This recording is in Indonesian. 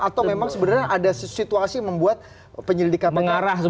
atau memang sebenarnya ada situasi membuat penyelidik kpk mengarah ke sana